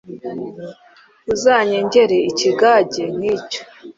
Uzanyengere ikigage nk’icyo.